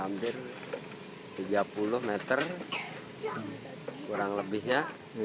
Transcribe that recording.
hampir tiga puluh meter kurang lebih ya